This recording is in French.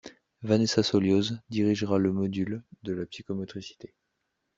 Vanessa Solioz dirigera le module de la Psychomotricité.